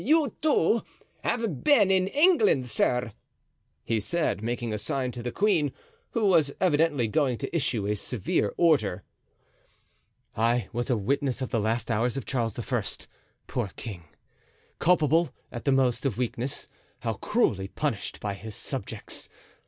"You, too, have been in England, sir?" he said, making a sign to the queen, who was evidently going to issue a severe order. "I was a witness of the last hours of Charles I. Poor king! culpable, at the most, of weakness, how cruelly punished by his subjects!